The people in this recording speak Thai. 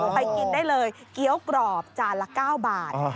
ไปกินได้เลยเกี้ยวกรอบจานละ๙บาท